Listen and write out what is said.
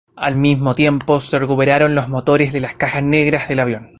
Al mismo tiempo se recuperaron los motores y las cajas negras del avión.